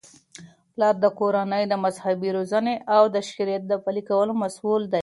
پلار د کورنی د مذهبي روزنې او د شریعت د پلي کولو مسؤل دی.